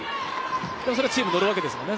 それがチーム、乗るわけですもんね。